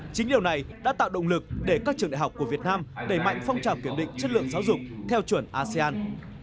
chính điều này đã tạo động lực để các trường đại học của việt nam đẩy mạnh phong trào kiểm định chất lượng giáo dục theo chuẩn asean